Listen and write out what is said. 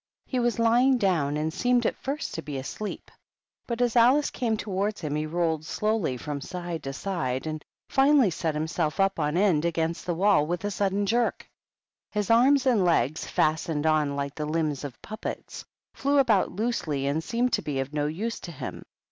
He was lying down, and seemed at first to be asleep ; but as Alice came towards him he rolled slowly from side to side, and finally set himself up on end against the wall with a sudden jerk. His arms and legs, fastened on like the limbs of puppets, flew about loosely and seemed to be of no use to him.